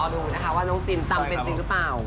ดูนะคะว่าน้องจินจำเป็นจริงหรือเปล่า